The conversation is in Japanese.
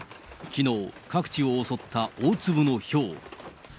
きのう、各地を襲った大粒のひょう。